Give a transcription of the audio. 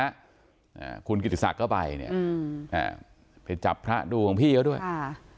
อ่าคุณกิติศักดิ์ก็ไปเนี่ยอืมอ่าไปจับพระดูของพี่เขาด้วยค่ะ